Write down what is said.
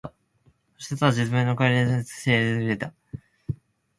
そしてただ、自分の置かれた状況のなかで、最善をつくすべきだ。